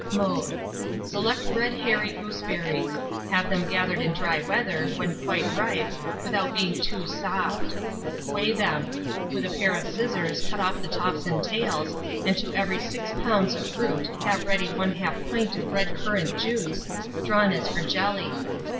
Mode. Select red hairy gooseberries; have them gathered in dry weather, when quite ripe, without being too soft. Weigh them; with a pair of scissors, cut off the tops and tails, and to every 6 lbs. of fruit have ready 1/2 pint of red currant juice, drawn as for jelly.